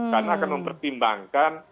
karena akan mempertimbangkan